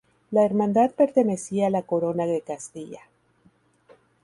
La hermandad pertenecía a la Corona de Castilla.